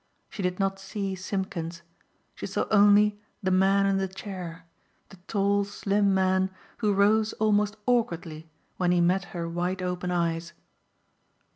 She did not see Simpkins. She saw only the man in the chair, the tall, slim man who rose almost awkwardly when he met her wide open eyes.